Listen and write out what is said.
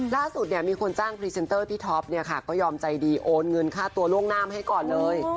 ล่าสุดเนี่ยมีคนจ้างพรีเซนเตอร์พี่ท็อปเนี่ยค่ะก็ยอมใจดีโอนเงินค่าตัวล่วงหน้ามาให้ก่อนเลย